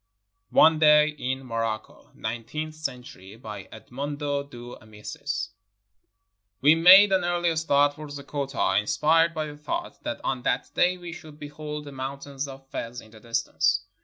ONE DAY IN MOROCCO [Nineteenth century] BY EDMONDO DE AMICIS We made an early start for Zeggota, inspired by the thought that on that day we should behold the moun tains of Fez in the distance.